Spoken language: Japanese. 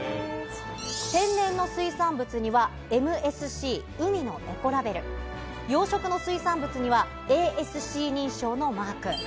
天然の水産物にはＭＳＣ海のエコラベル、養殖の水産物にはＡＳＣ認証のマーク。